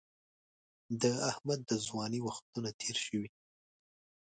د احمد د ځوانۍ وختونه تېر شوي.